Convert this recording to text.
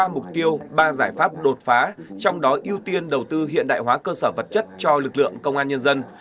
ba mục tiêu ba giải pháp đột phá trong đó ưu tiên đầu tư hiện đại hóa cơ sở vật chất cho lực lượng công an nhân dân